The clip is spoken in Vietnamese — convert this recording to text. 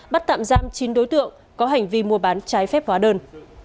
bắt tạm giam chín đối tượng có hành vi mua bán trái phép hóa đơn